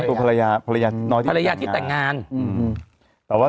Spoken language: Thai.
ตัวภรรยาน้อยที่แต่งงาน